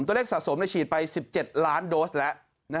สะสมฉีดไป๑๗ล้านโดสแล้ว